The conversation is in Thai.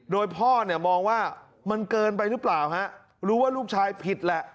โดยพ่อเนี่ยมองว่ามันเกินไปหรือเปล่าฮะรู้ว่าลูกชายผิดแหละ